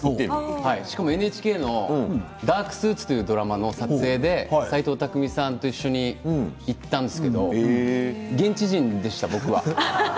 しかもＮＨＫの「ダークスーツ」というドラマの撮影で斎藤工さんと一緒に行ったんですけど現地人でした、僕は。